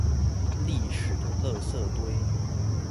歷史的垃圾堆